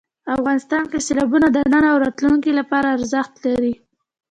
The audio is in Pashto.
افغانستان کې سیلابونه د نن او راتلونکي لپاره ارزښت لري.